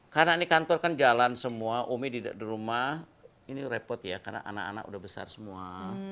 karena ini kantor kan jalan semua umi di rumah ini repot ya karena anak anak udah besar semua